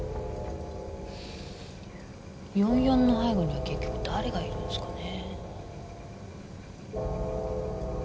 ４４の背後には結局誰がいるんですかね。